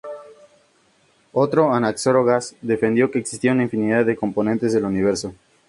Otro, Anaxágoras, defendió que existía una infinidad de componentes del universo.